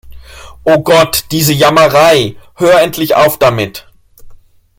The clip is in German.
Oh Gott, diese Jammerei. Hör endlich auf damit!